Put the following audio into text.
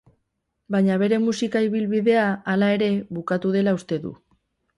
Baina bere musika ibilbidea, hala ere, bukatu dela uste du.